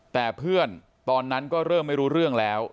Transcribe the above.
แต่เพื่อนตอนนั้นก็เริ่มไม่รู้เรื่องแล้ว